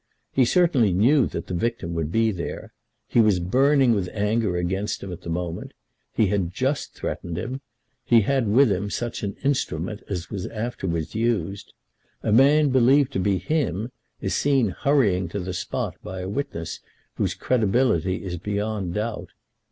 He certainly knew that the victim would be there. He was burning with anger against him at the moment. He had just threatened him. He had with him such an instrument as was afterwards used. A man believed to be him is seen hurrying to the spot by a witness whose credibility is beyond doubt.